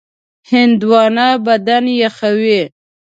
هندوانه بدن یخوي.